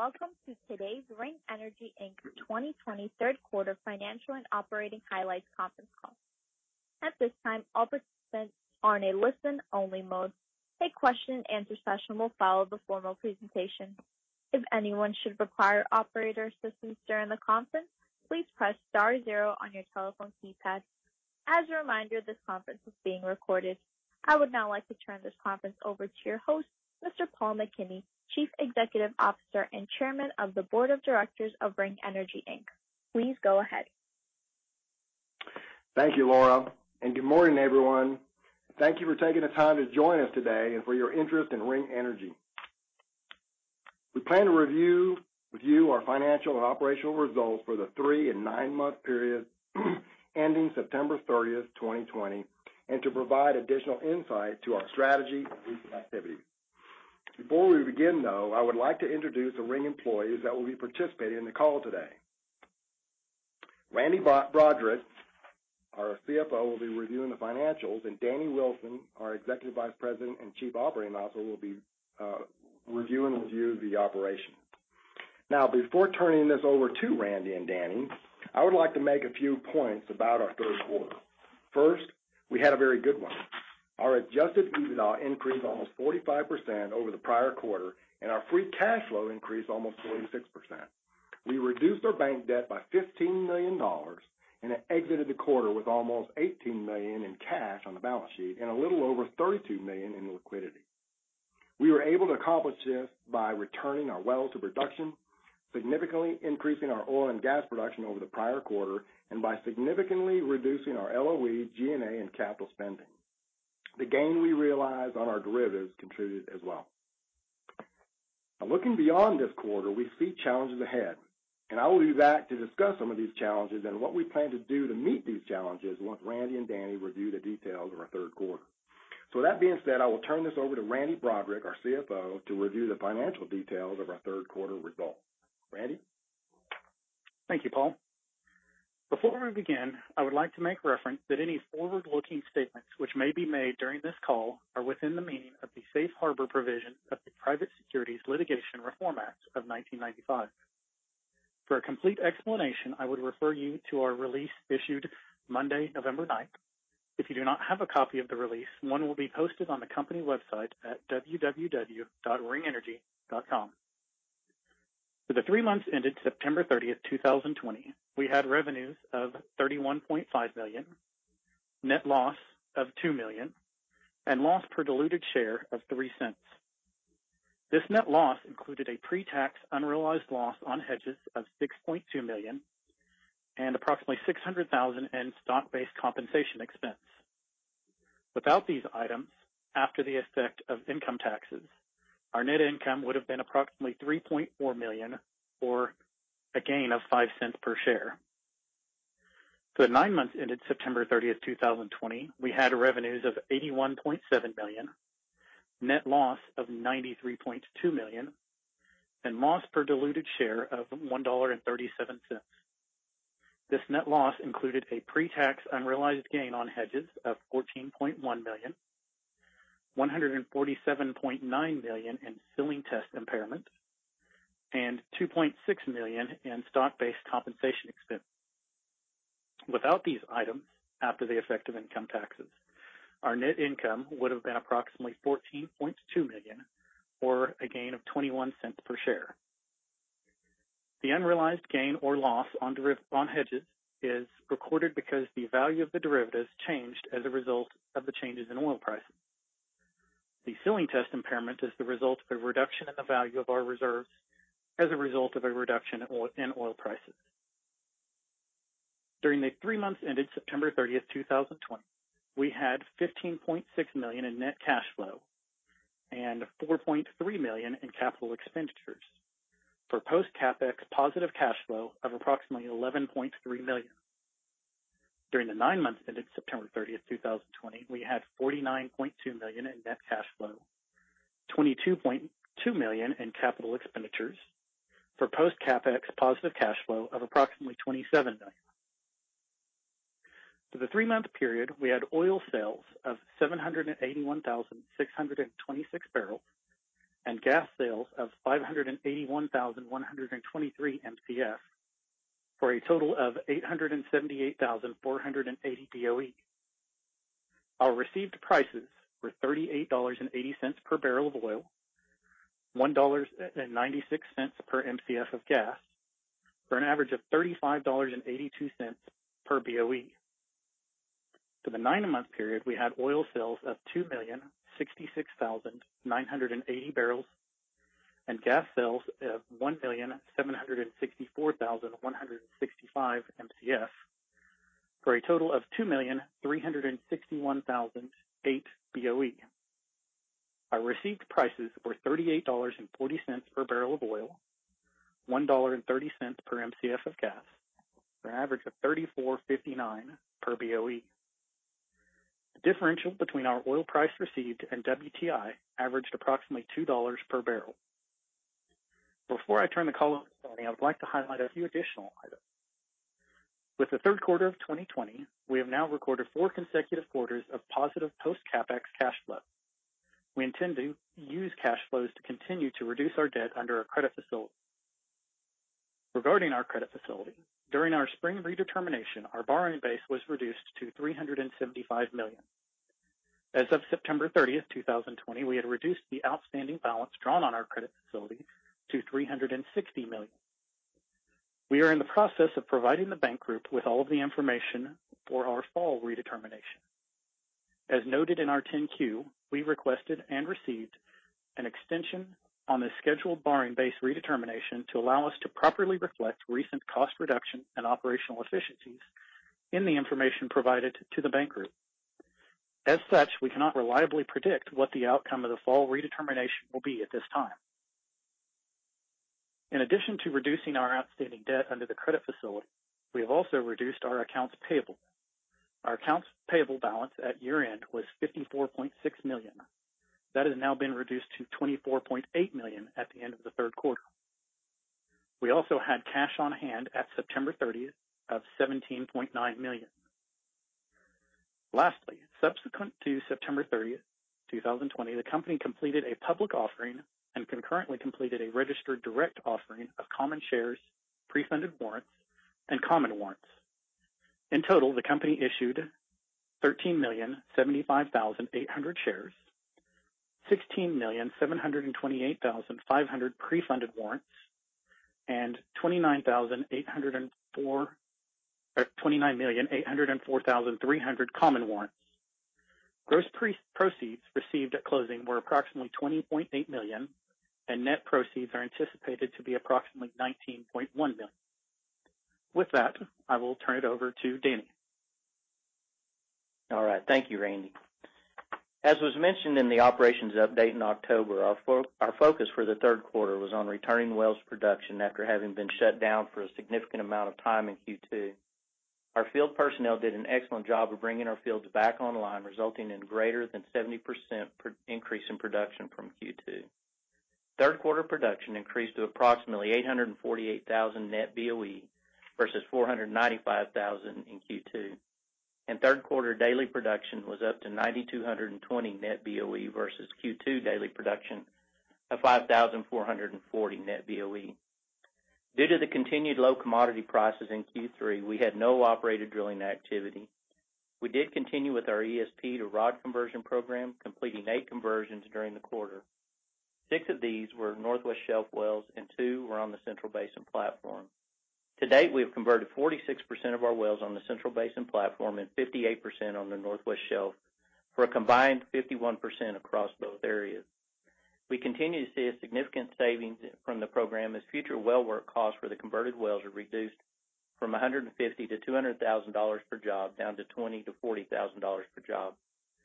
Welcome to today's Ring Energy Inc. 2020 third quarter financial and operating highlights conference call. At this time, all participants are in a listen-only mode. A question and answer session will follow the formal presentation. If anyone should require operator assistance during the conference, please press star zero on your telephone keypad. As a reminder, this conference is being recorded. I would now like to turn this conference over to your host, Mr. Paul McKinney, Chief Executive Officer and Chairman of the Board of Directors of Ring Energy Inc. Please go ahead. Thank you, Laura, and good morning, everyone. Thank you for taking the time to join us today and for your interest in Ring Energy. We plan to review our financial and operational results for the three and nine-month period ending September 30th, 2020, and to provide additional insight to our strategy and activities. Before we begin, though, I would like to introduce the Ring employees that will be participating in the call today. Randy Broaddrick, our CFO, will be reviewing the financials, and Danny Wilson, our Executive Vice President and Chief Operating Officer, will be reviewing the operations. Now, before turning this over to Randy and Danny, I would like to make a few points about our third quarter. First, we had a very good one. Our adjusted EBITDA increased almost 45% over the prior quarter, and our free cash flow increased almost 46%. We reduced our bank debt by $15 million and exited the quarter with almost $18 million in cash on the balance sheet and a little over $32 million in liquidity. We were able to accomplish this by returning our wells to production, significantly increasing our oil and gas production over the prior quarter, and by significantly reducing our LOE, G&A, and capital spending. The gain we realized on our derivatives contributed as well. Looking beyond this quarter, we see challenges ahead, and I will be back to discuss some of these challenges and what we plan to do to meet these challenges once Randy and Danny review the details of our third quarter. That being said, I will turn this over to Randy Broaddrick, our CFO, to review the financial details of our third quarter results. Randy? Thank you, Paul. Before we begin, I would like to make reference that any forward-looking statements which may be made during this call are within the meaning of the Safe Harbor provision of the Private Securities Litigation Reform Act of 1995. For a complete explanation, I would refer you to our release issued Monday, November 9th. If you do not have a copy of the release, one will be posted on the company website at www.ringenergy.com. For the three months ended September 30th, 2020, we had revenues of $31.5 million, net loss of $2 million, and loss per diluted share of $0.03. This net loss included a pre-tax unrealized loss on hedges of $6.2 million and approximately $600,000 in stock-based compensation expense. Without these items, after the effect of income taxes, our net income would have been approximately $3.4 million or a gain of $0.05 per share. For the nine months ended September 30th, 2020, we had revenues of $81.7 million, net loss of $93.2 million, and loss per diluted share of $1.37. This net loss included a pre-tax unrealized gain on hedges of $14.1 million, $147.9 million in ceiling test impairment, and $2.6 million in stock-based compensation expense. Without these items, after the effect of income taxes, our net income would have been approximately $14.2 million or a gain of $0.21 per share. The unrealized gain or loss on hedges is recorded because the value of the derivatives changed as a result of the changes in oil prices. The ceiling test impairment is the result of a reduction in the value of our reserves as a result of a reduction in oil prices. During the three months ended September 30th, 2020, we had $15.6 million in net cash flow and $4.3 million in capital expenditures for post CapEx positive cash flow of approximately $11.3 million. During the nine-months ended September 30th, 2020, we had $49.2 million in net cash flow, $22.2 million in capital expenditures for post CapEx positive cash flow of approximately $27 million. For the three-month period, we had oil sales of 781,626 barrels and gas sales of 581,123 Mcf for a total of 878,480 Boe. Our received prices were $38.80 per barrel of oil, $1.96 per Mcf of gas for an average of $35.82 per Boe. For the nine-month period, we had oil sales of 2,066,980 barrels and gas sales of 1,764,165 Mcf for a total of 2,361,008 Boe. Our received prices were $38.40 per barrel of oil, $1.30 per Mcf of gas for an average of $34.59 per Boe. The differential between our oil price received and WTI averaged approximately $2 per barrel. Before I turn the call over to Danny, I would like to highlight a few additional items. With the third quarter of 2020, we have now recorded four consecutive quarters of positive post-CapEx cash flow. We intend to use cash flows to continue to reduce our debt under our credit facility. Regarding our credit facility, during our spring redetermination, our borrowing base was reduced to $375 million. As of September 30th, 2020, we had reduced the outstanding balance drawn on our credit facility to $360 million. We are in the process of providing the bank group with all of the information for our fall redetermination. As noted in our 10-Q, we requested and received an extension on the scheduled borrowing base redetermination to allow us to properly reflect recent cost reduction and operational efficiencies in the information provided to the bank group. As such, we cannot reliably predict what the outcome of the fall redetermination will be at this time. In addition to reducing our outstanding debt under the credit facility, we have also reduced our accounts payable. Our accounts payable balance at year-end was $54.6 million. That has now been reduced to $24.8 million at the end of the third quarter. We also had cash on hand at September 30th of $17.9 million. Lastly, subsequent to September 30th, 2020, the company completed a public offering and concurrently completed a registered direct offering of common shares, pre-funded warrants, and common warrants. In total, the company issued 13,075,800 shares, 16,728,500 pre-funded warrants, and 29,804,300 common warrants. Gross proceeds received at closing were approximately $20.8 million, and net proceeds are anticipated to be approximately $19.1 million. With that, I will turn it over to Danny. All right. Thank you, Randy. As was mentioned in the operations update in October, our focus for the third quarter was on returning wells production after having been shut down for a significant amount of time in Q2. Our field personnel did an excellent job of bringing our fields back online, resulting in greater than 70% per increase in production from Q2. Third quarter production increased to approximately 848,000 net Boe versus 495,000 in Q2. Third quarter daily production was up to 9,220 net Boe versus Q2 daily production of 5,440 net Boe. Due to the continued low commodity prices in Q3, we had no operated drilling activity. We did continue with our ESP to rod conversion program, completing eight conversions during the quarter. Six of these were Northwest Shelf wells and two were on the Central Basin Platform. To date, we have converted 46% of our wells on the Central Basin Platform and 58% on the Northwest Shelf for a combined 51% across both areas. We continue to see a significant savings from the program as future well work costs for the converted wells are reduced from $150,000-$200,000 per job down to $20,000-$40,000 per job,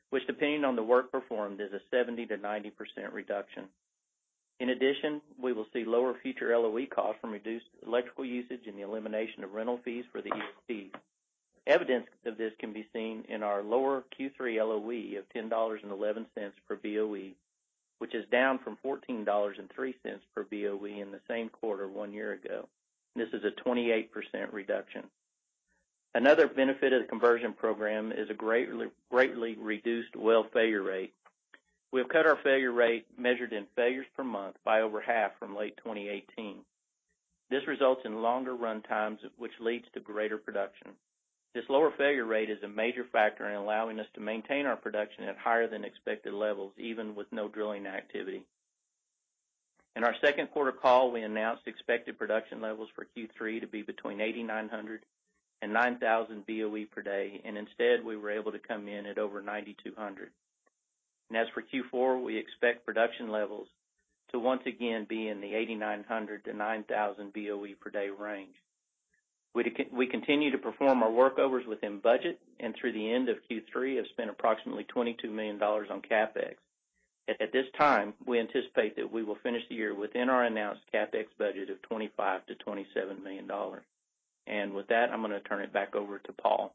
which depending on the work performed, is a 70%-90% reduction. In addition, we will see lower future LOE costs from reduced electrical usage and the elimination of rental fees for the ESPs. Evidence of this can be seen in our lower Q3 LOE of $10.11 per Boe, which is down from $14.03 per Boe in the same quarter one year ago. This is a 28% reduction. Another benefit of the conversion program is a greatly reduced well failure rate. We have cut our failure rate, measured in failures per month, by over half from late 2018. This results in longer run times, which leads to greater production. This lower failure rate is a major factor in allowing us to maintain our production at higher than expected levels, even with no drilling activity. In our second quarter call, we announced expected production levels for Q3 to be between 8,900 and 9,000 Boe per day, and instead, we were able to come in at over 9,200. As for Q4, we expect production levels to once again be in the 8,900 Boe-9,000 Boe per day range. We continue to perform our workovers within budget and through the end of Q3 have spent approximately $22 million on CapEx. At this time, we anticipate that we will finish the year within our announced CapEx budget of $25 million-$27 million. With that, I'm gonna turn it back over to Paul.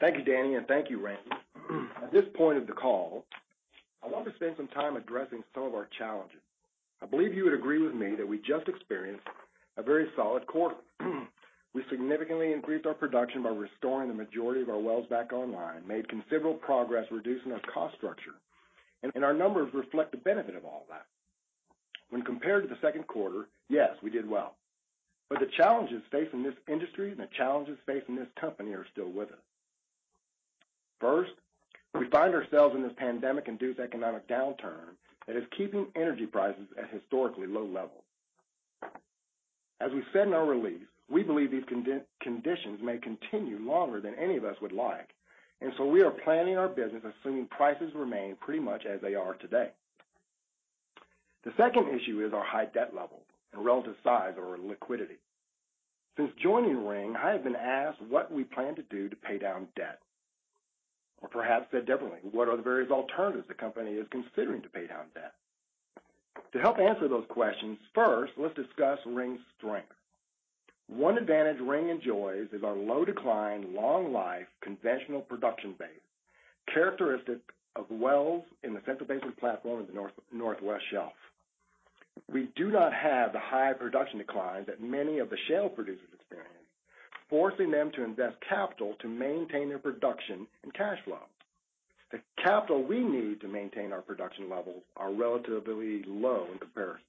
Thank you, Danny, and thank you, Randy. At this point of the call, I want to spend some time addressing some of our challenges. I believe you would agree with me that we just experienced a very solid quarter. We significantly increased our production by restoring the majority of our wells back online, made considerable progress reducing our cost structure, and our numbers reflect the benefit of all that. When compared to the second quarter, yes, we did well. The challenges facing this industry and the challenges facing this company are still with us. First, we find ourselves in this pandemic-induced economic downturn that is keeping energy prices at historically low levels. As we said in our release, we believe these conditions may continue longer than any of us would like, and so we are planning our business assuming prices remain pretty much as they are today. The second issue is our high debt level and relative size of our liquidity. Since joining Ring, I have been asked what we plan to do to pay down debt, or perhaps said differently, what are the various alternatives the company is considering to pay down debt? To help answer those questions, first, let's discuss Ring's strength. One advantage Ring enjoys is our low-decline, long-life conventional production base. Characteristic of wells in the Central Basin Platform in the Northwest Shelf. We do not have the high production declines that many of the shale producers experience, forcing them to invest capital to maintain their production and cash flow. The capital we need to maintain our production levels are relatively low in comparison.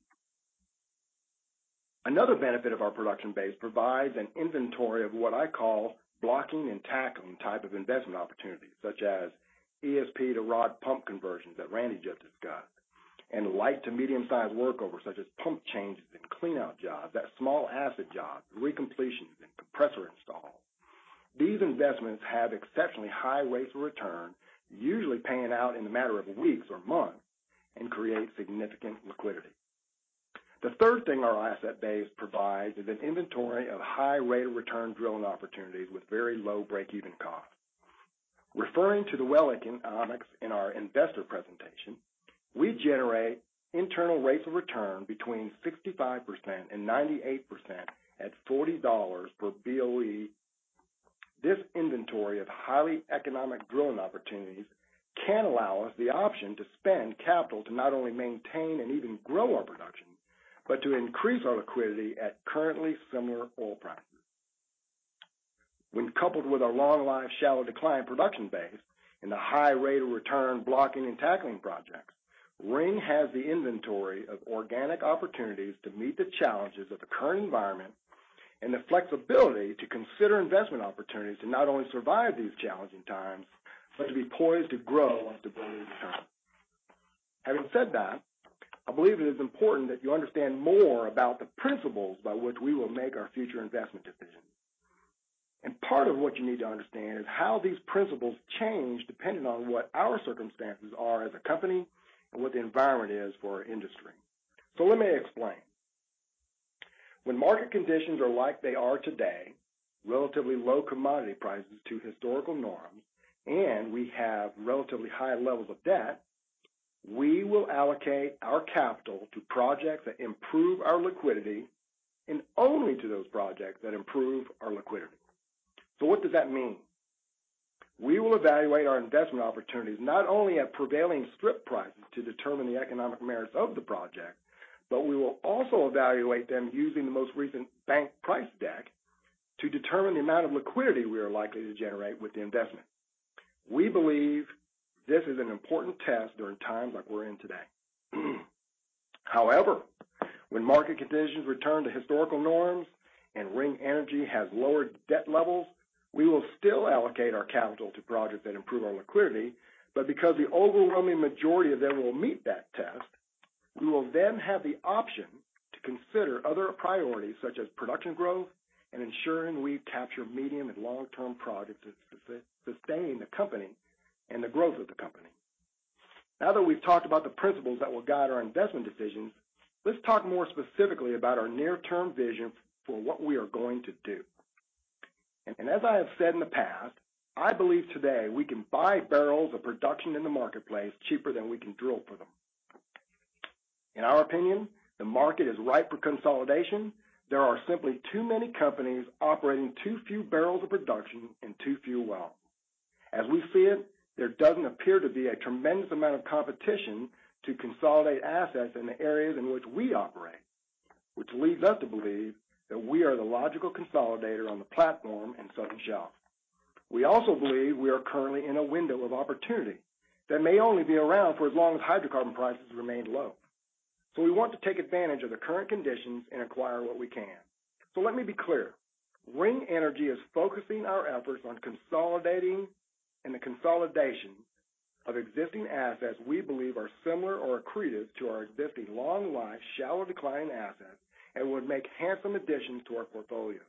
Another benefit of our production base provides an inventory of what I call blocking and tackling type of investment opportunities, such as ESP to rod pump conversions that Randy just discussed, and light to medium-sized workovers such as pump changes and cleanout jobs, that small acid job, recompletions, and compressor installs. These investments have exceptionally high rates of return, usually paying out in a matter of weeks or months and create significant liquidity. The third thing our asset base provides is an inventory of high rate of return drilling opportunities with very low breakeven costs. Referring to the well economics in our investor presentation, we generate internal rates of return between 65% and 98% at $40 per Boe. This inventory of highly economic drilling opportunities can allow us the option to spend capital to not only maintain and even grow our production, but to increase our liquidity at currently similar oil prices. When coupled with our long life shallow decline production base and the high rate of return blocking and tackling projects, Ring has the inventory of organic opportunities to meet the challenges of the current environment and the flexibility to consider investment opportunities to not only survive these challenging times, but to be poised to grow once the boom returns. Having said that, I believe it is important that you understand more about the principles by which we will make our future investment decisions. Part of what you need to understand is how these principles change depending on what our circumstances are as a company and what the environment is for our industry. Let me explain. When market conditions are like they are today, relatively low commodity prices to historical norms, and we have relatively high levels of debt, we will allocate our capital to projects that improve our liquidity and only to those projects that improve our liquidity. What does that mean? We will evaluate our investment opportunities not only at prevailing strip prices to determine the economic merits of the project, but we will also evaluate them using the most recent bank price deck to determine the amount of liquidity we are likely to generate with the investment. We believe this is an important test during times like we're in today. However, when market conditions return to historical norms and Ring Energy has lower debt levels, we will still allocate our capital to projects that improve our liquidity, but because the overwhelming majority of them will meet that test, we will then have the option to consider other priorities such as production growth and ensuring we capture medium and long-term projects to sustain the company and the growth of the company. Now that we've talked about the principles that will guide our investment decisions, let's talk more specifically about our near-term vision for what we are going to do. As I have said in the past, I believe today we can buy barrels of production in the marketplace cheaper than we can drill for them. In our opinion, the market is ripe for consolidation. There are simply too many companies operating too few barrels of production and too few wells. As we see it, there doesn't appear to be a tremendous amount of competition to consolidate assets in the areas in which we operate, which leads us to believe that we are the logical consolidator on the platform and southern shelf. We also believe we are currently in a window of opportunity that may only be around for as long as hydrocarbon prices remain low. We want to take advantage of the current conditions and acquire what we can. Let me be clear. Ring Energy is focusing our efforts on consolidating and the consolidation of existing assets we believe are similar or accretive to our existing long life, shallow decline assets and would make handsome additions to our portfolio.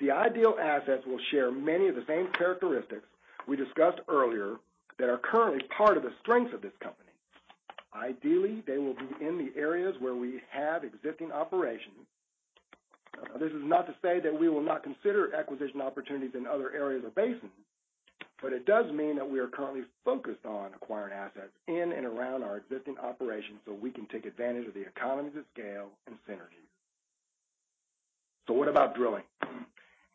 The ideal assets will share many of the same characteristics we discussed earlier that are currently part of the strengths of this company. Ideally, they will be in the areas where we have existing operations. This is not to say that we will not consider acquisition opportunities in other areas of the basin, it does mean that we are currently focused on acquiring assets in and around our existing operations so we can take advantage of the economies of scale and synergies. What about drilling?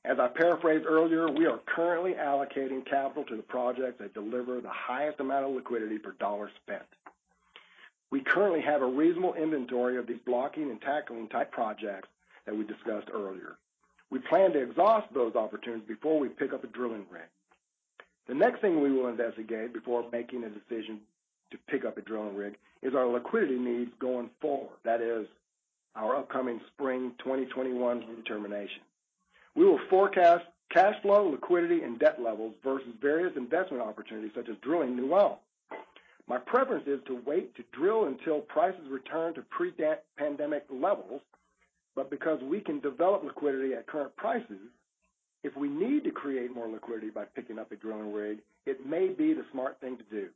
As I paraphrased earlier, we are currently allocating capital to the projects that deliver the highest amount of liquidity per dollar spent. We currently have a reasonable inventory of these blocking and tackling type projects that we discussed earlier. We plan to exhaust those opportunities before we pick up a drilling rig. The next thing we will investigate before making a decision to pick up a drilling rig is our liquidity needs going forward. That is our upcoming spring 2021 redetermination. We will forecast cash flow, liquidity, and debt levels versus various investment opportunities such as drilling new wells. My preference is to wait to drill until prices return to pre-pandemic levels, but because we can develop liquidity at current prices, if we need to create more liquidity by picking up a drilling rig, it may be the smart thing to do.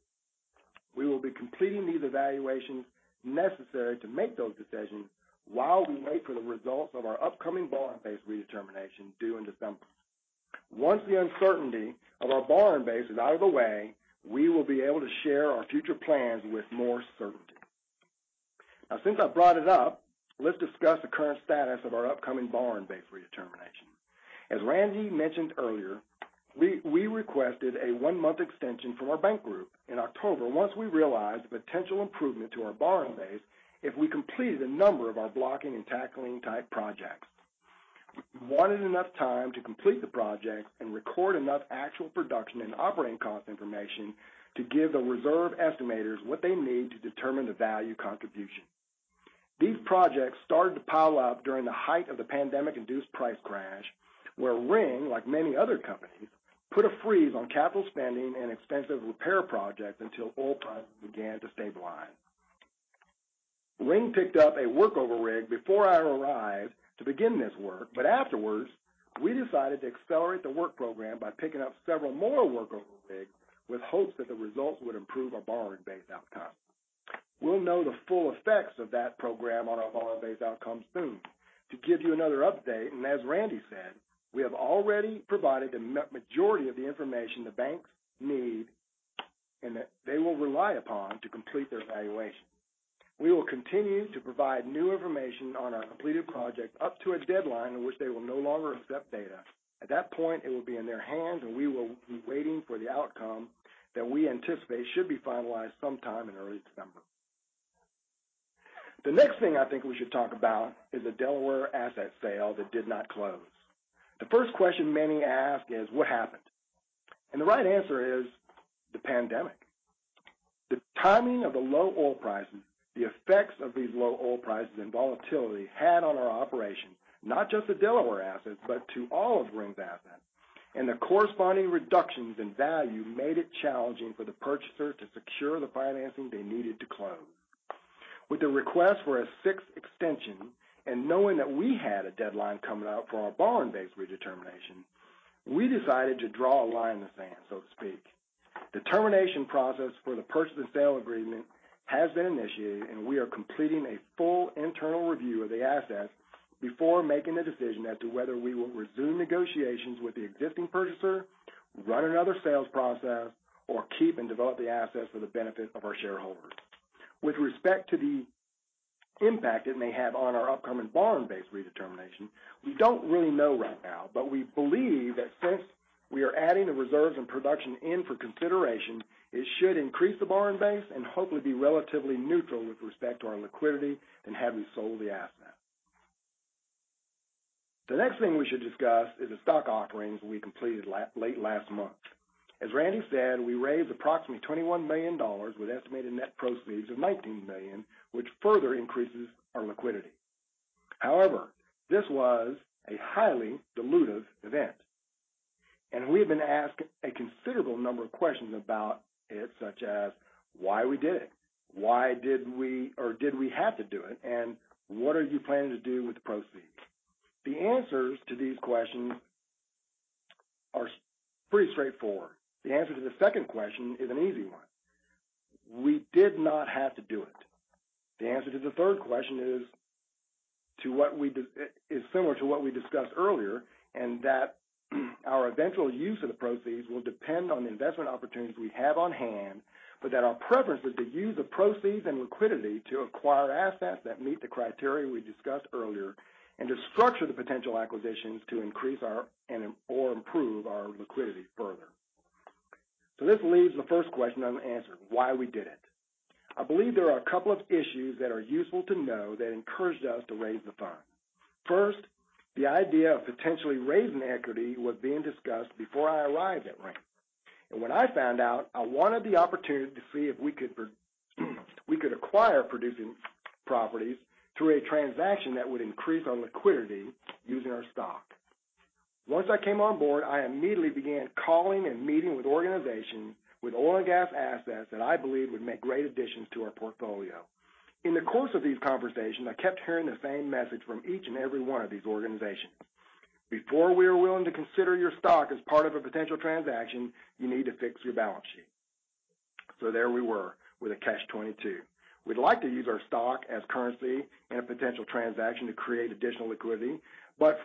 We will be completing these evaluations necessary to make those decisions while we wait for the results of our upcoming borrowing base redetermination due in December. Once the uncertainty of our borrowing base is out of the way, we will be able to share our future plans with more certainty. Now, since I've brought it up, let's discuss the current status of our upcoming borrowing base redetermination. As Randy mentioned earlier, we requested a one-month extension from our bank group in October once we realized the potential improvement to our borrowing base if we completed a number of our blocking and tackling type projects. We wanted enough time to complete the projects and record enough actual production and operating cost information to give the reserve estimators what they need to determine the value contribution. These projects started to pile up during the height of the pandemic-induced price crash, where Ring, like many other companies, put a freeze on capital spending and expensive repair projects until oil prices began to stabilize. Ring picked up a workover rig before I arrived to begin this work, but afterwards, we decided to accelerate the work program by picking up several more workover rigs with hopes that the results would improve our borrowing base outcome. We'll know the full effects of that program on our borrowing base outcome soon. To give you another update, and as Randy said, we have already provided the majority of the information the banks need and that they will rely upon to complete their evaluation. We will continue to provide new information on our completed project up to a deadline in which they will no longer accept data. At that point, it will be in their hands, and we will be waiting for the outcome that we anticipate should be finalized sometime in early December. The next thing I think we should talk about is the Delaware asset sale that did not close. The first question many ask is, "What happened?" The right answer is the pandemic. The timing of the low oil prices, the effects of these low oil prices, and volatility had on our operation, not just the Delaware assets, but to all of Ring's assets, and the corresponding reductions in value made it challenging for the purchaser to secure the financing they needed to close. With the request for a sixth extension and knowing that we had a deadline coming up for our borrowing base redetermination, we decided to draw a line in the sand, so to speak. The termination process for the purchase and sale agreement has been initiated, and we are completing a full internal review of the assets before making a decision as to whether we will resume negotiations with the existing purchaser, run another sales process, or keep and develop the assets for the benefit of our shareholders. With respect to the impact it may have on our upcoming borrowing base redetermination, we don't really know right now, but we believe that since we are adding the reserves and production in for consideration, it should increase the borrowing base and hopefully be relatively neutral with respect to our liquidity than had we sold the asset. The next thing we should discuss is the stock offerings we completed late last month\ As Randy said, we raised approximately $21 million with estimated net proceeds of $19 million, which further increases our liquidity. However, this was a highly dilutive event, and we have been asked a considerable number of questions about it, such as why we did it, did we have to do it, and what are you planning to do with the proceeds? The answers to these questions are pretty straightforward. The answer to the second question is an easy one. We did not have to do it. The answer to the third question is similar to what we discussed earlier, and that our eventual use of the proceeds will depend on the investment opportunities we have on hand, but that our preference is to use the proceeds and liquidity to acquire assets that meet the criteria we discussed earlier and to structure the potential acquisitions to increase or improve our liquidity further. This leaves the first question unanswered, why we did it. I believe there are a couple of issues that are useful to know that encouraged us to raise the funds. First, the idea of potentially raising equity was being discussed before I arrived at Ring. When I found out, I wanted the opportunity to see if we could acquire producing properties through a transaction that would increase our liquidity using our stock. Once I came on board, I immediately began calling and meeting with organizations with oil and gas assets that I believed would make great additions to our portfolio. In the course of these conversations, I kept hearing the same message from each and every one of these organizations. "Before we are willing to consider your stock as part of a potential transaction, you need to fix your balance sheet." There we were with a catch-22. We'd like to use our stock as currency in a potential transaction to create additional liquidity.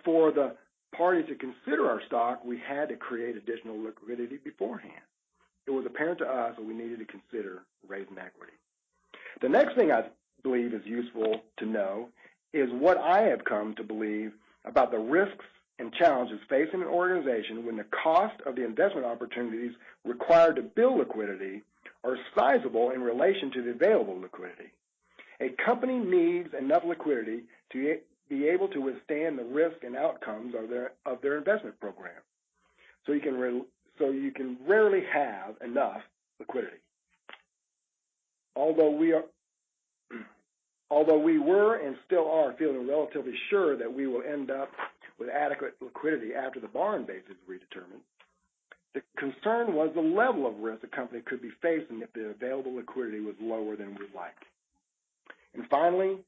For the party to consider our stock, we had to create additional liquidity beforehand. It was apparent to us that we needed to consider raising equity. The next thing I believe is useful to know is what I have come to believe about the risks and challenges facing an organization when the cost of the investment opportunities required to build liquidity are sizable in relation to the available liquidity. A company needs enough liquidity to be able to withstand the risk and outcomes of their investment program. You can rarely have enough liquidity. Although we were and still are feeling relatively sure that we will end up with adequate liquidity after the borrowing base is redetermined, the concern was the level of risk the company could be facing if the available liquidity was lower than we'd like. Finally,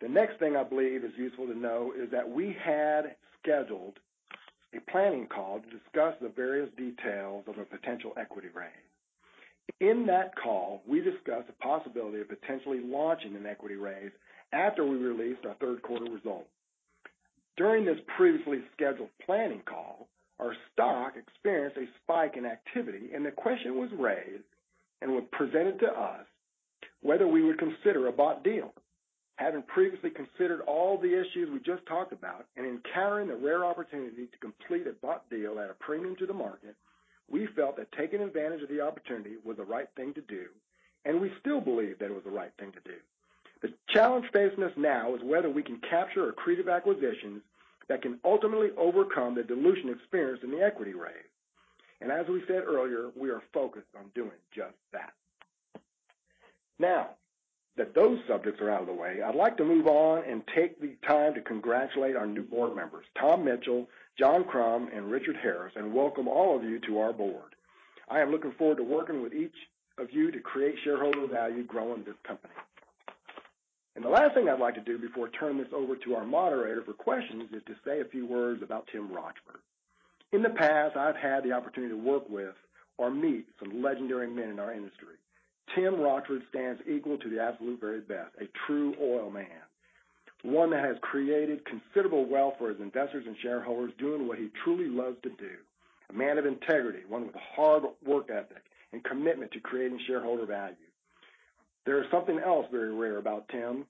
the next thing I believe is useful to know is that we had scheduled a planning call to discuss the various details of a potential equity raise. In that call, we discussed the possibility of potentially launching an equity raise after we released our third quarter results. During this previously scheduled planning call, our stock experienced a spike in activity, and the question was raised and was presented to us whether we would consider a bought deal. Having previously considered all the issues we just talked about, and encountering the rare opportunity to complete a bought deal at a premium to the market, we felt that taking advantage of the opportunity was the right thing to do, and we still believe that it was the right thing to do. The challenge facing us now is whether we can capture accretive acquisitions that can ultimately overcome the dilution experienced in the equity raise. As we said earlier, we are focused on doing just that. Now, that those subjects are out of the way, I'd like to move on and take the time to congratulate our new board members, Tom Mitchell, John Crum, and Richard Harris, and welcome all of you to our board. I am looking forward to working with each of you to create shareholder value growing this company. The last thing I'd like to do before turning this over to our moderator for questions is to say a few words about Tim Rochford. In the past, I've had the opportunity to work with or meet some legendary men in our industry. Tim Rochford stands equal to the absolute very best, a true oil man, one that has created considerable wealth for his investors and shareholders doing what he truly loves to do. A man of integrity, one with a hard work ethic, and commitment to creating shareholder value. There is something else very rare about Tim.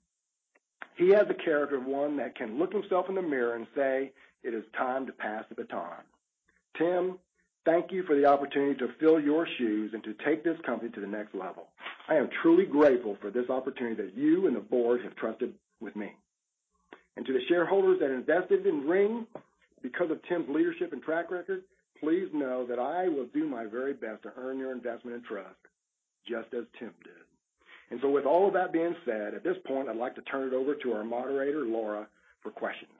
He has the character of one that can look himself in the mirror and say, "It is time to pass the baton." Tim, thank you for the opportunity to fill your shoes and to take this company to the next level. I am truly grateful for this opportunity that you and the board have trusted with me. To the shareholders that invested in Ring because of Tim's leadership and track record, please know that I will do my very best to earn your investment and trust, just as Tim did. With all of that being said, at this point, I'd like to turn it over to our moderator, Laura, for questions.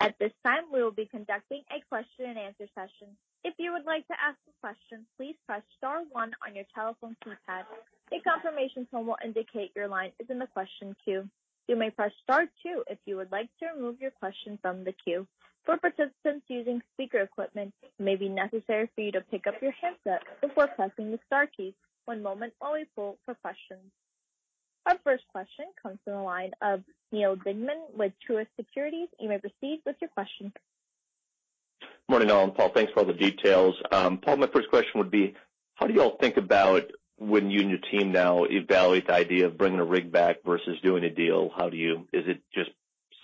At this time, we will be conducting a question and answer session. If you would like to ask a question, please press star one on your telephone keypad. A confirmation tone will indicate your line is in the question queue. You may press star two if you would like to remove your question from the queue. For participants using speaker equipment, it may be necessary for you to pick up your handset before pressing the star key. One moment while we poll for questions. Our first question comes from the line of Neal Dingmann with Truist Securities. You may proceed with your question. Morning, all. Paul, thanks for all the details. Paul, my first question would be, how do you all think about when you and your team now evaluate the idea of bringing a rig back versus doing a deal? Is it just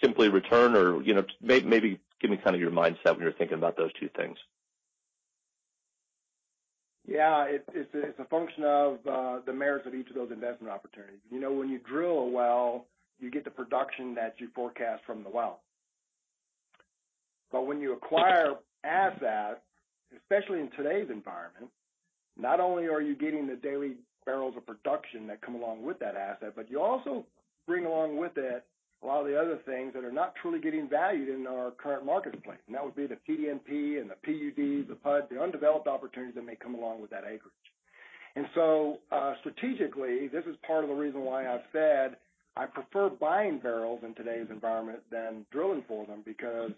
simply return or, maybe give me your mindset when you're thinking about those two things. Yeah. It's a function of the merits of each of those investment opportunities. When you drill a well, you get the production that you forecast from the well. When you acquire assets, especially in today's environment, not only are you getting the daily barrels of production that come along with that asset, but you also bring along with that a lot of the other things that are not truly getting valued in our current marketplace. That would be the PDNP and the PUD, the undeveloped opportunities that may come along with that acreage. Strategically, this is part of the reason why I've said I prefer buying barrels in today's environment than drilling for them because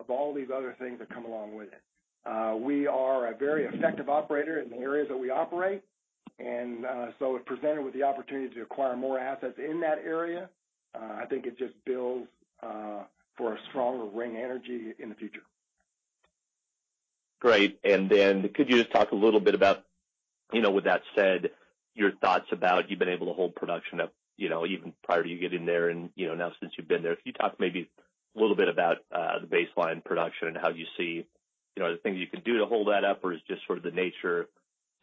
of all these other things that come along with it. We are a very effective operator in the areas that we operate. If presented with the opportunity to acquire more assets in that area, I think it just builds for a stronger Ring Energy in the future. Great. Could you just talk a little bit about, with that said, your thoughts about you've been able to hold production up, even prior to you getting there and, now since you've been there. Can you talk maybe a little bit about the baseline production and how you see the things you can do to hold that up, or is it just sort of the nature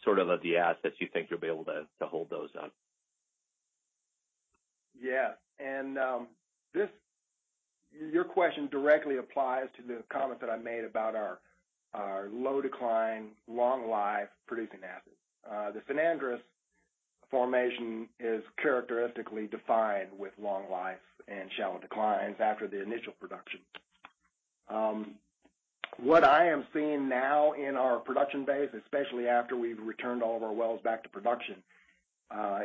of the assets you think you'll be able to hold those up? Yeah. Your question directly applies to the comments that I made about our low decline, long life producing assets. The San Andres formation is characteristically defined with long life and shallow declines after the initial production. What I am seeing now in our production base, especially after we've returned all of our wells back to production,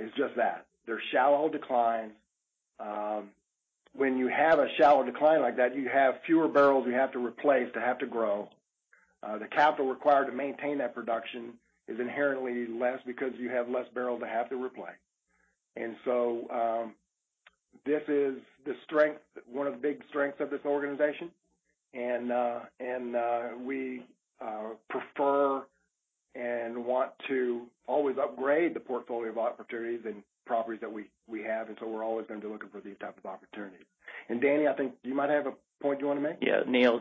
is just that. There's shallow decline. When you have a shallow decline like that, you have fewer barrels you have to replace to have to grow. The capital required to maintain that production is inherently less because you have less barrels to have to replace. This is one of the big strengths of this organization. We prefer and want to always upgrade the portfolio of opportunities and properties that we have. We're always going to be looking for these types of opportunities. Danny, I think you might have a point you want to make? Yeah, Neal,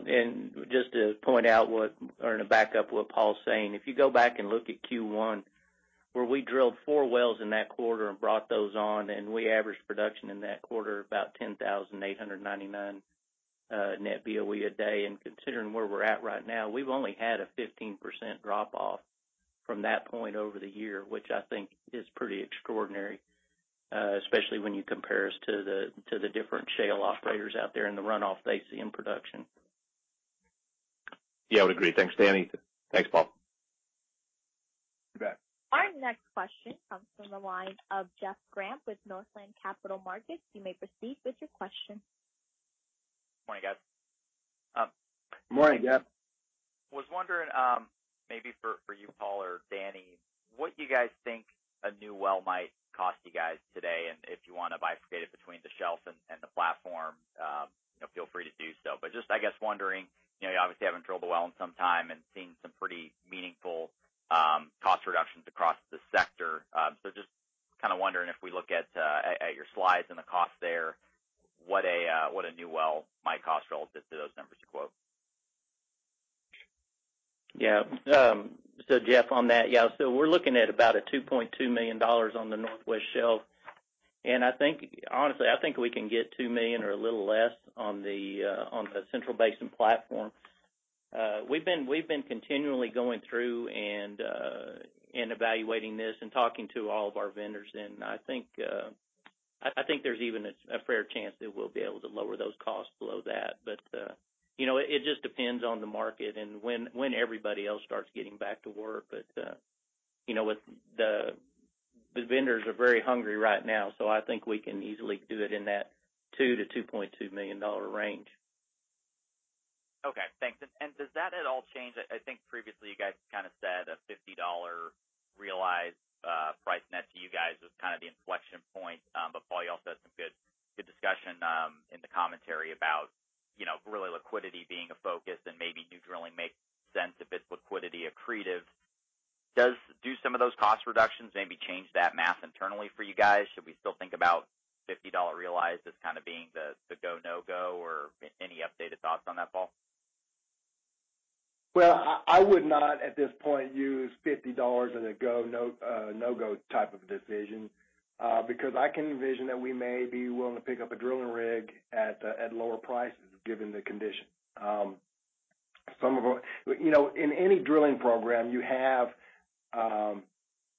just to point out what, or to back up what Paul's saying, if you go back and look at Q1, where we drilled four wells in that quarter and brought those on, we averaged production in that quarter about 10,899 net Boe a day. Considering where we're at right now, we've only had a 15% drop off from that point over the year, which I think is pretty extraordinary, especially when you compare us to the different shale operators out there and the runoff they see in production. Yeah, I would agree. Thanks, Danny. Thanks, Paul. You bet. Our next question comes from the line of Jeff Grampp with Northland Capital Markets. You may proceed with your question. Morning, guys. Morning, Jeff. Was wondering, maybe for you, Paul or Danny, what you guys think a new well might cost you guys today, and if you want to bifurcate it between the shelf and the platform, feel free to do so. I guess wondering, you obviously haven't drilled a well in some time and seen some pretty meaningful cost reductions across the sector. Just kind of wondering if we look at your slides and the cost there, what a new well might cost relative to those numbers you quote. Yeah. Jeff, on that, so we're looking at about a $2.2 million on the Northwest Shelf. I think honestly, I think we can get $2 million or a little less on the Central Basin Platform. We've been continually going through and evaluating this and talking to all of our vendors, and I think there's even a fair chance that we'll be able to lower those costs below that. It just depends on the market and when everybody else starts getting back to work. The vendors are very hungry right now, so I think we can easily do it in that $2 million-$2.2 million range. Okay, thanks. Does that at all change, I think previously you guys said a $50 realized price net to you guys was the inflection point. Paul, you also had some good discussion in the commentary about really liquidity being a focus and maybe new drilling makes sense if it's liquidity accretive. Do some of those cost reductions maybe change that math internally for you guys? Should we still think about $50 realized as being the go, no-go, or any updated thoughts on that, Paul? Well, I would not at this point use $50 as a go, no-go type of decision. I can envision that we may be willing to pick up a drilling rig at lower prices given the condition. In any drilling program, you have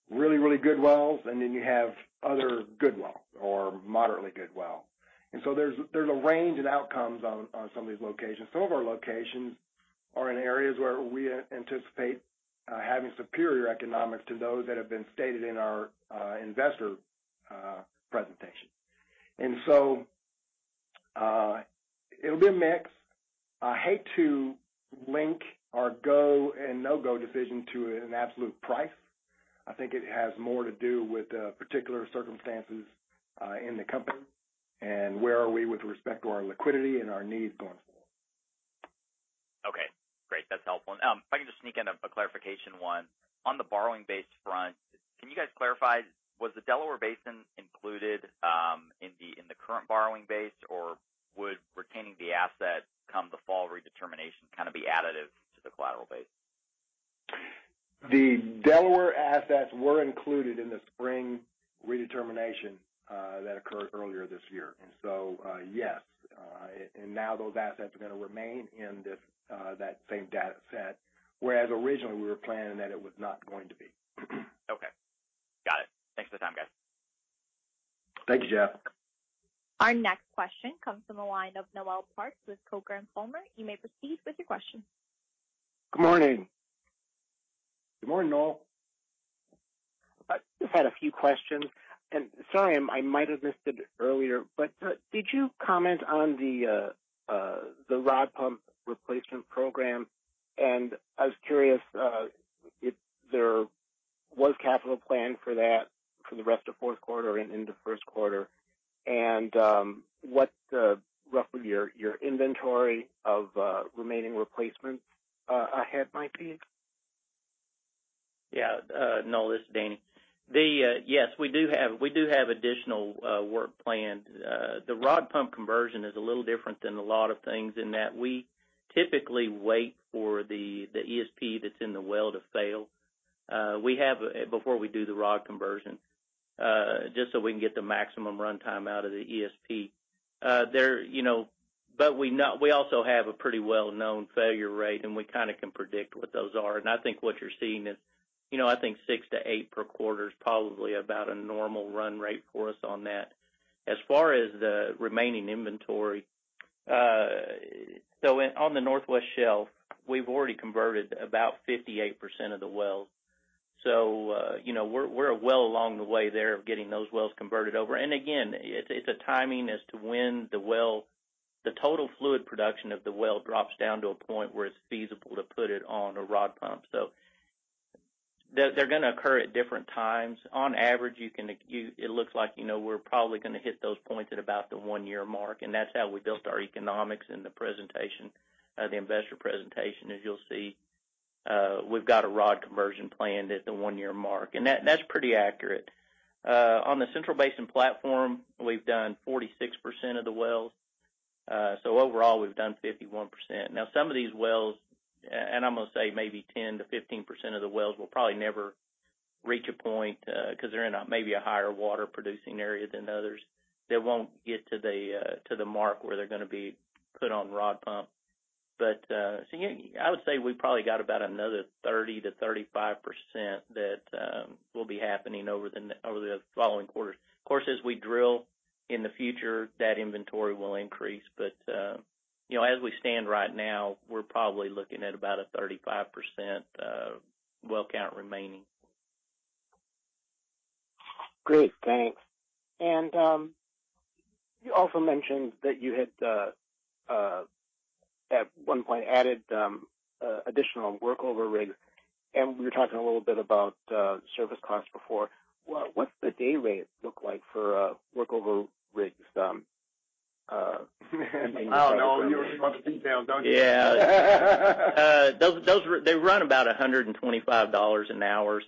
really, really good wells, and then you have other good wells or moderately good wells. There's a range of outcomes on some of these locations. Some of our locations are in areas where we anticipate having superior economics to those that have been stated in our investor presentation. It'll be a mix. I hate to link our go and no-go decision to an absolute price. I think it has more to do with particular circumstances in the company, and where are we with respect to our liquidity and our needs going forward. Okay, great. That's helpful. If I can just sneak in a clarification one. On the borrowing base front, can you guys clarify, was the Delaware Basin included in the current borrowing base, or would retaining the asset come the fall redetermination kind of be additive to the collateral base? The Delaware assets were included in the spring redetermination that occurred earlier this year. Yes. Now those assets are going to remain in that same data set, whereas originally we were planning that it was not going to be. Okay. Got it. Thanks for the time, guys. Thank you, Jeff. Our next question comes from the line of Noel Parks with Coker & Palmer. You may proceed with your question. Good morning. Good morning, Noel. I just had a few questions. Sorry, I might have missed it earlier, but did you comment on the rod pump replacement program? I was curious if there was capital planned for that for the rest of fourth quarter and into first quarter. What's roughly your inventory of remaining replacements ahead might be? Noel, this is Danny. Yes, we do have additional work planned. The rod pump conversion is a little different than a lot of things in that we typically wait for the ESP that's in the well to fail. We have, before we do the rod conversion, just so we can get the maximum runtime out of the ESP. We also have a pretty well-known failure rate, and we kind of can predict what those are. I think what you're seeing is I think six to eight per quarter is probably about a normal run rate for us on that. As far as the remaining inventory, on the Northwest Shelf, we've already converted about 58% of the wells. We're well along the way there of getting those wells converted over. Again, it's a timing as to when the total fluid production of the well drops down to a point where it's feasible to put it on a rod pump. They're going to occur at different times. On average, it looks like we're probably going to hit those points at about the one-year mark, and that's how we built our economics in the investor presentation. As you'll see, we've got a rod conversion planned at the one-year mark. That's pretty accurate. On the Central Basin Platform, we've done 46% of the wells. Overall, we've done 51%. Some of these wells, and I'm going to say maybe 10%-15% of the wells will probably never reach a point, because they're in a maybe a higher water producing area than others, they won't get to the mark where they're going to be put on rod pump. I would say we probably got about another 30%-35% that will be happening over the following quarters. Of course, as we drill in the future, that inventory will increase. As we stand right now, we're probably looking at about a 35% well count remaining. Great, thanks. You also mentioned that you had, at one point, added additional workover rigs, and we were talking a little bit about service costs before. What's the day rate look like for workover rigs? Oh, no, you really want the details, don't you? Yeah. They run about $125 an hour.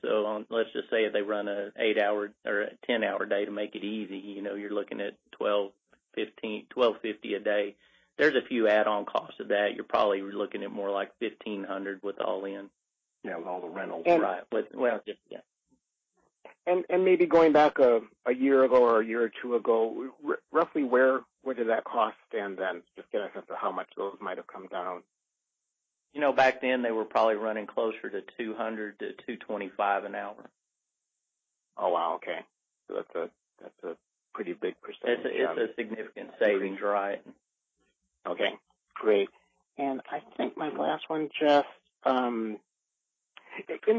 Let's just say if they run an eight-hour or a 10-hour day to make it easy, you're looking at $1,250 a day. There's a few add-on costs to that. You're probably looking at more like $1,500 with all in. Yeah, with all the rentals. Well, just, yeah. Maybe going back a year ago or a year or two ago, roughly where did that cost stand then? Just get a sense of how much those might have come down. Back then, they were probably running closer to $200-$225 an hour. Oh, wow. Okay. That's a pretty big percentage. It's a significant savings, right. Okay, great. I think my last one, Jeff. In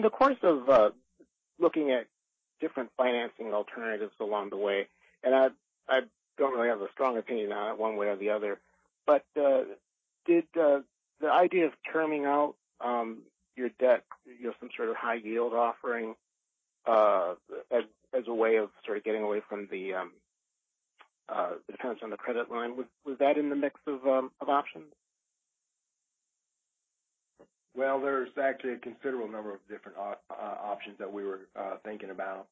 the course of looking at different financing alternatives along the way, and I don't really have a strong opinion on it one way or the other, but did the idea of terming out your debt, some sort of high yield offering, as a way of sort of getting away from the dependence on the credit line, was that in the mix of options? Well, there's actually a considerable number of different options that we were thinking about.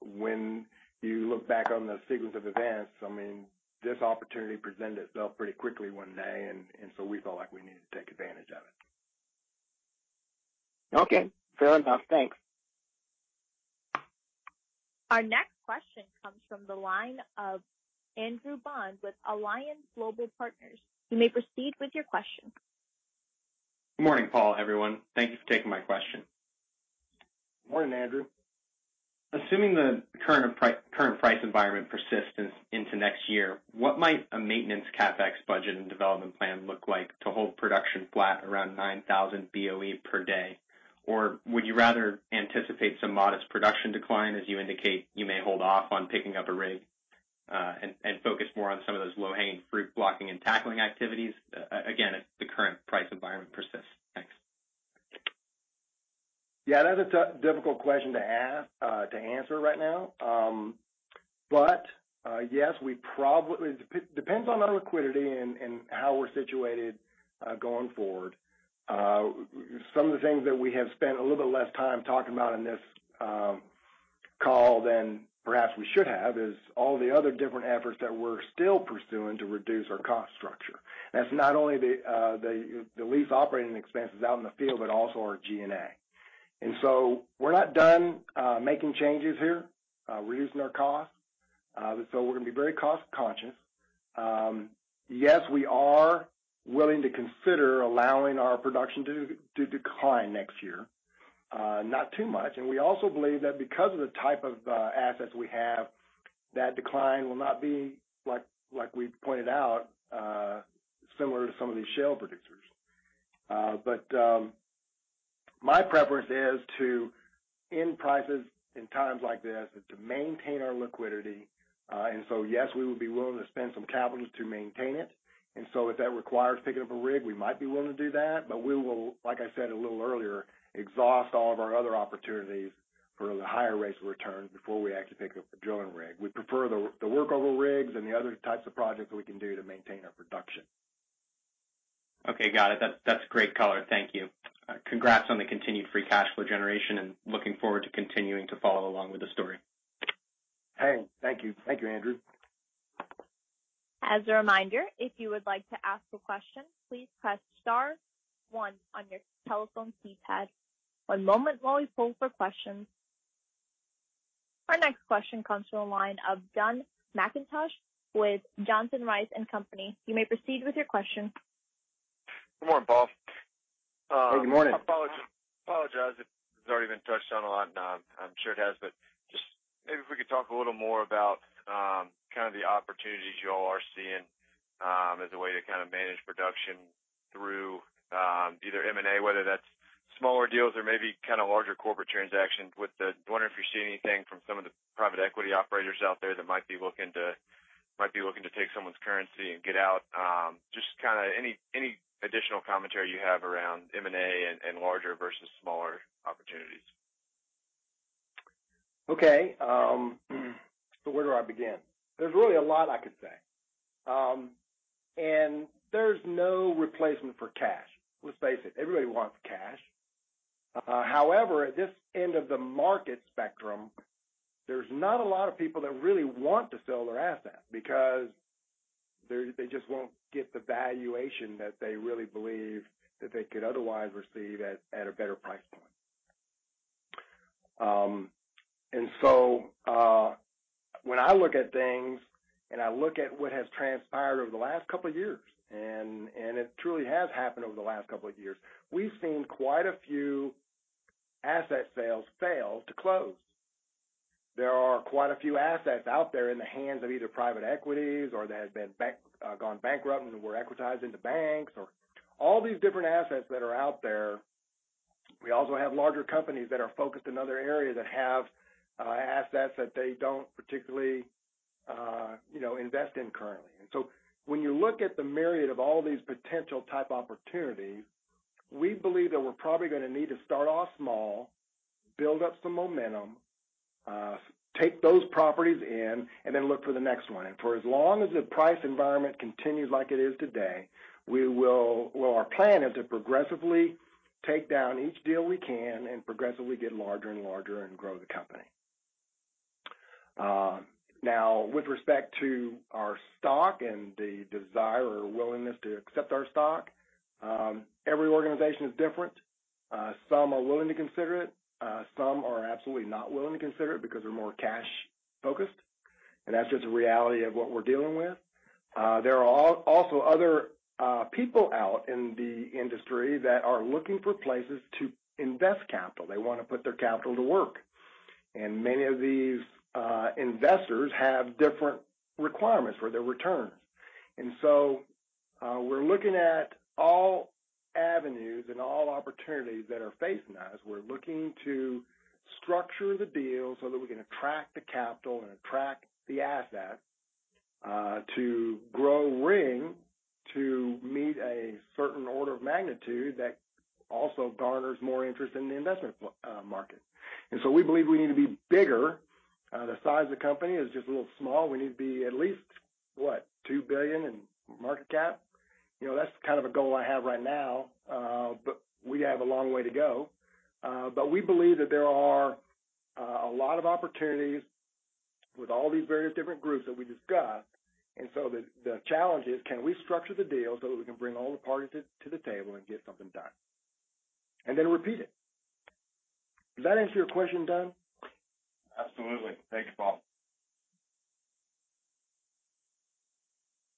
When you look back on the sequence of events, I mean, this opportunity presented itself pretty quickly one day, and so we felt like we needed to take advantage of it. Okay, fair enough. Thanks. Our next question comes from the line of Andrew Bond with Alliance Global Partners. You may proceed with your question. Good morning, Paul, everyone. Thank you for taking my question. Morning, Andrew. Assuming the current price environment persists into next year, what might a maintenance CapEx budget and development plan look like to hold production flat around 9,000 Boe per day? Would you rather anticipate some modest production decline, as you indicate you may hold off on picking up a rig, and focus more on some of those low-hanging fruit blocking and tackling activities, again, if the current price environment persists? Thanks. Yeah, that's a difficult question to answer right now. Yes, we probably depends on our liquidity and how we're situated going forward. Some of the things that we have spent a little bit less time talking about in this call than perhaps we should have is all the other different efforts that we're still pursuing to reduce our cost structure. That's not only the lease operating expenses out in the field, but also our G&A. We're not done making changes here. We're using our costs. We're going to be very cost conscious. Yes, we are willing to consider allowing our production to decline next year. Not too much. We also believe that because of the type of assets we have, that decline will not be, like we pointed out, similar to some of these shale producers. My preference is to, in prices in times like this, is to maintain our liquidity. Yes, we would be willing to spend some capital to maintain it. If that requires picking up a rig, we might be willing to do that, but we will, like I said a little earlier, exhaust all of our other opportunities for the higher rates of return before we actually pick up a drilling rig. We prefer the workover rigs and the other types of projects that we can do to maintain our production. Okay. Got it. That's great color. Thank you. Congrats on the continued free cash flow generation, looking forward to continuing to follow along with the story. Hey, thank you. Thank you, Andrew. As a reminder, if you would like to ask a question, please press star one on your telephone keypad. One moment while we poll for questions. Our next question comes from the line of Dun McIntosh with Johnson Rice & Company. You may proceed with your question. Good morning, Paul. Good morning. I apologize if this has already been touched on a lot, and I'm sure it has. Maybe if we could talk a little more about the opportunities you all are seeing as a way to manage production through either M&A, whether that's smaller deals or maybe larger corporate transactions. I wonder if you're seeing anything from some of the private equity operators out there that might be looking to take someone's currency and get out. Any additional commentary you have around M&A and larger versus smaller opportunities. Okay. Where do I begin? There's really a lot I could say. There's no replacement for cash. Let's face it, everybody wants cash. However, at this end of the market spectrum, there's not a lot of people that really want to sell their assets because they just won't get the valuation that they really believe that they could otherwise receive at a better price point. When I look at things and I look at what has transpired over the last couple of years, and it truly has happened over the last couple of years, we've seen quite a few asset sales fail to close. There are quite a few assets out there in the hands of either private equities or that have gone bankrupt and were equitized into banks or. All these different assets that are out there, we also have larger companies that are focused in other areas that have assets that they don't particularly invest in currently. When you look at the myriad of all these potential type opportunities, we believe that we're probably going to need to start off small, build up some momentum, take those properties in, and then look for the next one. For as long as the price environment continues like it is today, our plan is to progressively take down each deal we can and progressively get larger and larger and grow the company. Now with respect to our stock and the desire or willingness to accept our stock, every organization is different. Some are willing to consider it. Some are absolutely not willing to consider it because they're more cash-focused, and that's just a reality of what we're dealing with. There are also other people out in the industry that are looking for places to invest capital. They want to put their capital to work. Many of these investors have different requirements for their returns. We're looking at all avenues and all opportunities that are facing us. We're looking to structure the deal so that we can attract the capital and attract the asset, to grow Ring to meet a certain order of magnitude that also garners more interest in the investment market. We believe we need to be bigger. The size of the company is just a little small. We need to be at least, what, $2 billion in market cap? That's kind of a goal I have right now. We have a long way to go. We believe that there are a lot of opportunities with all these various different groups that we just got. The challenge is, can we structure the deal so that we can bring all the parties to the table and get something done, and then repeat it? Does that answer your question, Dun? Absolutely. Thank you, Paul.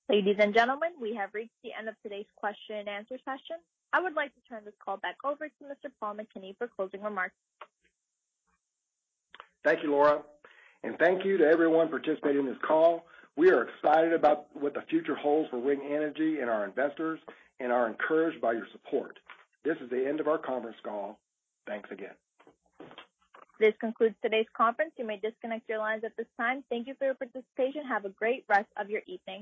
Ladies and gentlemen, we have reached the end of today's question and answer session. I would like to turn this call back over to Mr. Paul McKinney for closing remarks. Thank you, Laura, and thank you to everyone participating in this call. We are excited about what the future holds for Ring Energy and our investors and are encouraged by your support. This is the end of our conference call. Thanks again. This concludes today's conference. You may disconnect your lines at this time. Thank you for your participation. Have a great rest of your evening.